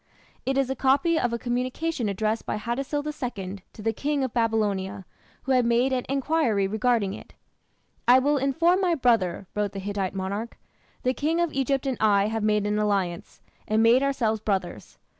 It is a copy of a communication addressed by Hattusil II to the King of Babylonia, who had made an enquiry regarding it. "I will inform my brother," wrote the Hittite monarch; "the King of Egypt and I have made an alliance, and made ourselves brothers.